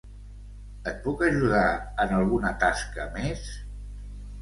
Et puc ajudar en alguna tasca més?